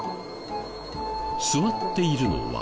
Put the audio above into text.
座っているのは。